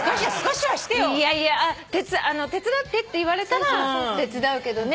いやいや「手伝って」って言われたら手伝うけどね。